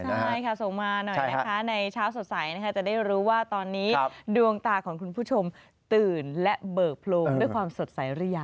ใช่ค่ะส่งมาหน่อยนะคะในเช้าสดใสนะคะจะได้รู้ว่าตอนนี้ดวงตาของคุณผู้ชมตื่นและเบิกโพรงด้วยความสดใสหรือยัง